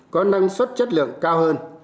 có năng suất chất lượng cao hơn